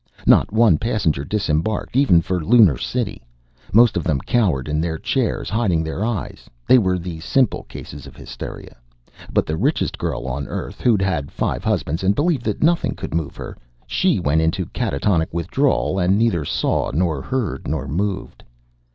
Not one passenger disembarked even for Lunar City. Most of them cowered in their chairs, hiding their eyes. They were the simple cases of hysteria. But the richest girl on Earth, who'd had five husbands and believed that nothing could move her she went into catatonic withdrawal and neither saw nor heard nor moved.